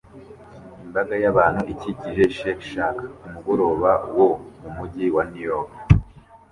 Imbaga y'abantu ikikije Shake Shack ku mugoroba wo mu mujyi wa New York